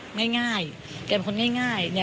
ชอบขาวเขียวอย่างเนี่ยดอกไม้ทรงนี้คือกับแกชอบเรียบ